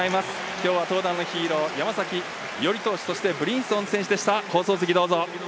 きょうは投打のヒーロー・山崎伊織投手、そしてブリンソン選手でした。